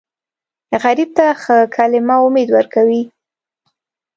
غریب ته ښه کلمه امید ورکوي